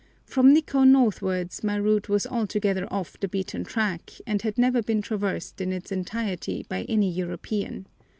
From Nikkô northwards my route was altogether off the beaten track, and had never been traversed in its entirety by any European.